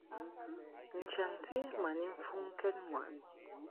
N-chaŋti ma ni mfuŋkɛd ŋwaʼni.